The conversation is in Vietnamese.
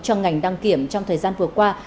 cho ngành đăng kiểm trong thời gian vừa qua